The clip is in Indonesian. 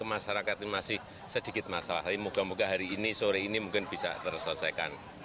masyarakat ini masih sedikit masalah tapi moga moga hari ini sore ini mungkin bisa terselesaikan